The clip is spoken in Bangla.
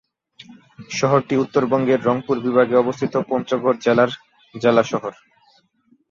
শহরটি উত্তরবঙ্গের রংপুর বিভাগে অবস্থিত পঞ্চগড় জেলার জেলা শহর।